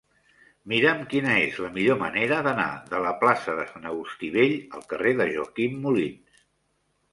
Mira'm quina és la millor manera d'anar de la plaça de Sant Agustí Vell al carrer de Joaquim Molins.